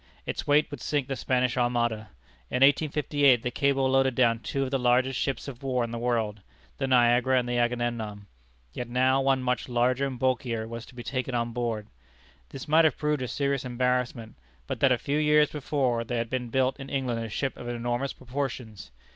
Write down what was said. Its weight would sink the Spanish Armada. In 1858, the cable loaded down two of the largest ships of war in the world, the Niagara and the Agamemnon. Yet now one much larger and bulkier was to be taken on board. This might have proved a serious embarrassment, but that a few years before there had been built in England a ship of enormous proportions.